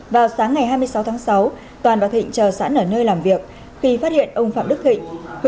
vào sáng ngày hai mươi sáu tháng sáu toàn và thịnh chờ sẵn ở nơi làm việc khi phát hiện ông phạm đức thịnh